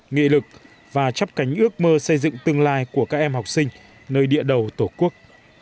nghị lực và chấp cánh ước mơ xây dựng tương lai của các em học sinh nơi địa đầu tổ quốc